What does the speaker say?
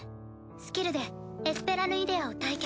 スキルでエスペラルイデアを退却。